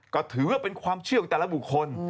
ก็ถือว่าเป็นความเชื่อของแต่ละบุคคล